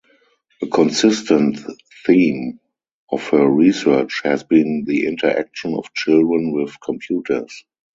A consistent theme of her research has been the interaction of children with computers.